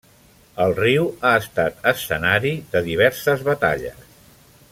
El riu ha estat escenari de diverses batalles.